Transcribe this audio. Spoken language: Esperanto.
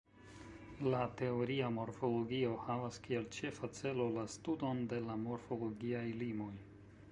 La teoria morfologio havas kiel ĉefa celo la studon de la morfologiaj limoj.